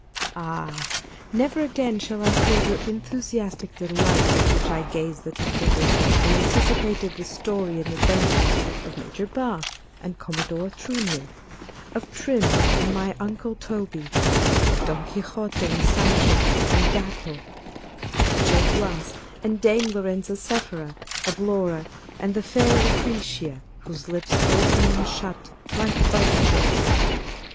313 Ah ! never again shall I feel the enthusiastic delight with which I gazed at the figures, and anticipated the story and adventures of Major Bath and Commodore Trunnion, of Trim and my Uncle Toby, of Don Quixote and Sancho and Dapple, of Gil Bias and Dame Lorenza Sephora, of Laura and the fair Lucrctia, whose lips open and shut like buds of roses.